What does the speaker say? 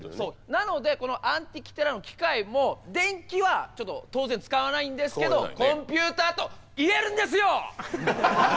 なのでこのアンティキティラの機械も電気は当然使わないんですけどコンピューターと言えるんですよ！